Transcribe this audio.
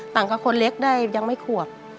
กับคนเล็กได้ยังไม่ขวบ